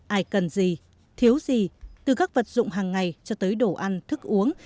ai cần gì thiếu gì từ các vật dụng hàng ngày cho tới đồ ăn thức uống